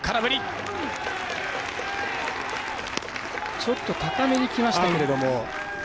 ちょっと高めにきましたけども。